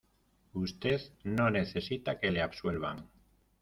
usted no necesita que le absuelvan